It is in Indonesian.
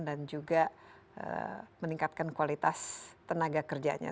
dan juga meningkatkan kualitas tenaga kerjanya